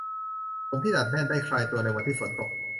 ผมที่ดัดแน่นได้คลายตัวในวันที่ฝนตก